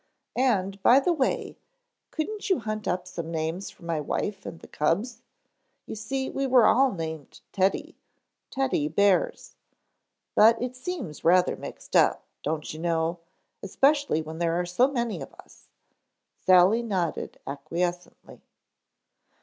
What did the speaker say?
And, by the way, couldn't you hunt up some names for my wife and the cubs? You see we were all named Teddy—Teddy bears. But it seems rather mixed up, don't you know, especially when there are so many of us." Sally nodded acquiescently.